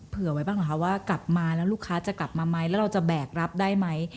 เผื่อไว้บ้างหรือคะว่ากลับมาแล้วลูกค้าจะกลับมาไหมแล้วเราจะแบกรับได้ไหม